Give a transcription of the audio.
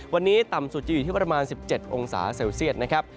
วันนี้ต่ำสุดจะอยู่ที่ประมาณ๑๗องศาเซลเซียตนะครับ